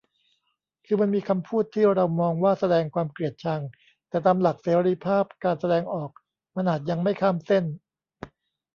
คือมันมีคำพูดที่เรามองว่าแสดงความเกลียดชัง แต่ตามหลักเสรีภาพการแสดงออกมันอาจยังไม่ข้ามเส้น